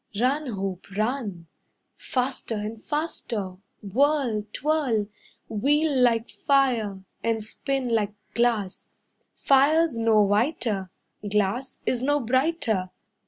Run, hoop, run. Faster and faster, Whirl, twirl. Wheel like fire, And spin like glass; Fire's no whiter Glass is no brighter.